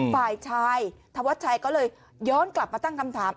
ฝ่ายชายธวัชชัยก็เลยย้อนกลับมาตั้งคำถาม